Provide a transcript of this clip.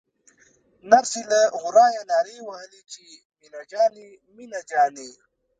نرسې له ورايه نارې وهلې چې مينه جانې مينه جانې.